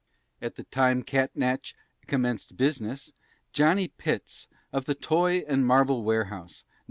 At the time Catnach commenced business. "Johnny" Pitts, of the Toy and Marble Warehouse, No.